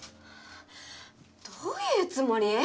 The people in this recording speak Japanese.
どういうつもり？